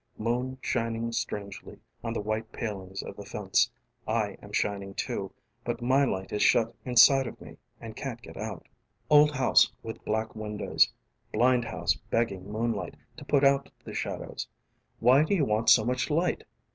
Moon shining strangely on the white palings of the fence, I am shining too but my light is shut inside of me and can't get out. :: Old house with black windowsŌĆö blind house begging moonlight to put out the shadowsŌĆö why do you want so much light?